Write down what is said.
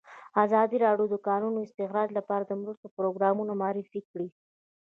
ازادي راډیو د د کانونو استخراج لپاره د مرستو پروګرامونه معرفي کړي.